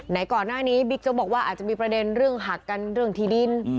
ก่อนหน้านี้บิ๊กโจ๊กบอกว่าอาจจะมีประเด็นเรื่องหักกันเรื่องที่ดิน